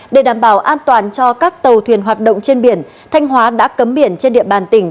để đảm bảo an toàn cho các tàu thuyền hoạt động trên biển thanh hóa đã cấm biển trên địa bàn tỉnh